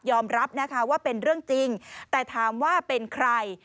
รับนะคะว่าเป็นเรื่องจริงแต่ถามว่าเป็นใคร